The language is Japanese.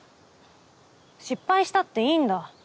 失敗したっていいんだ。